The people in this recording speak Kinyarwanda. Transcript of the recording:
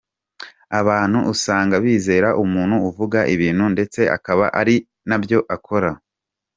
Abantu usanga bizera umuntu uvuga ibintu ndetse akaba ari nabyo akora.